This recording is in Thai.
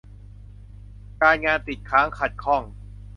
การงานติดค้างขัดข้อง